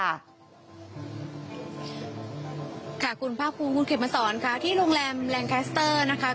ค่ะคุณภาคภูมิคุณเข็มมาสอนค่ะที่โรงแรมแรงคัสเตอร์นะคะ